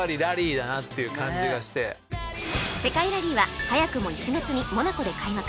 世界ラリーは早くも１月にモナコで開幕